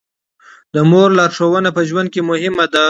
د مور لارښوونه په ژوند کې مهمه ده.